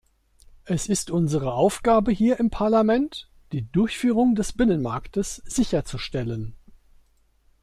Es ist unsere Aufgabe hier im Parlament, die Durchführung des Binnenmarktes sicherzustellen.